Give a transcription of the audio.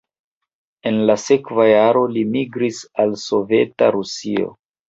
En la sekva jaro li migris al Soveta Rusio.